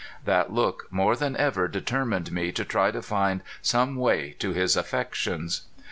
That look more than ever determined me to try to find some way to his affections.